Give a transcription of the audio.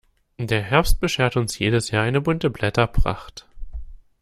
Der Herbst beschert uns jedes Jahr eine bunte Blätterpracht.